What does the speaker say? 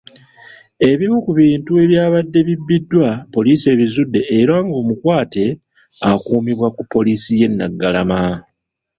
Ebimu ku bintu ebyabadde bibbiddwa poliisi ebizudde era ng'omukwate akuumirwa ku poliisi y'e Naggalama.